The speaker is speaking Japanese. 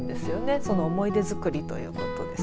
その思い出づくりということです。